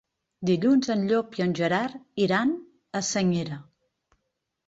Dilluns en Llop i en Gerard iran a Senyera.